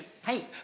はい。